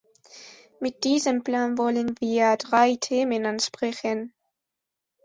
Mit diesem Plan wollen wir drei Themen ansprechen.